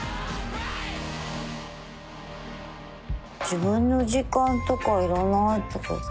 自分の時間とかいらないとか。